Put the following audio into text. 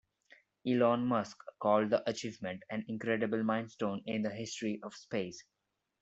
Elon Musk called the achievement an incredible milestone in the history of space.